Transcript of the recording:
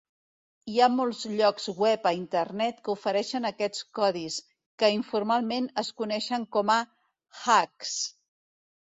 Hi ha molts llocs web a internet que ofereixen aquests codis, que informalment es coneixen com a "hacks".